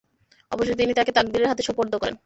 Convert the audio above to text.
অবশেষে তিনি তাকে তাকদীরের হাতে সোপর্দ করেন।